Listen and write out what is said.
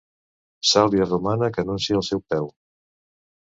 Sàlvia romana que anuncia el seu preu.